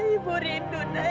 ibu rindu nak